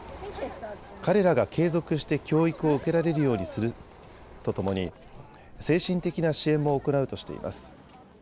彼らが継続して教育を受けられるようにするとともに精神的な支援も行うとしています。